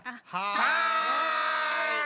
はい！